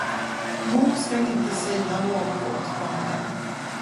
Mor ska inte säga något åt Daniel.